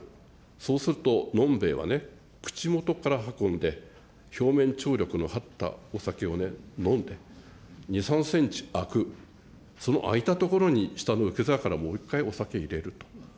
そうすると、飲んべえはね、口元から運んで、表面張力の張ったお酒を飲んで、２、３センチ空く、その空いた所に下の受け皿からもう一回、お酒を入れると。